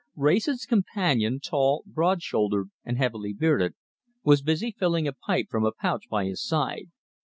Wrayson's companion, tall, broad shouldered, and heavily bearded, was busy filling a pipe from a pouch by his side.